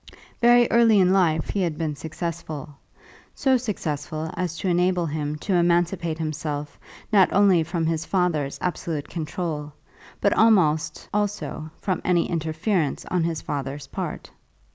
Very early in life he had been successful, so successful as to enable him to emancipate himself not only from his father's absolute control, but almost also from any interference on his father's part.